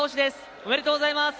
おめでとうございます。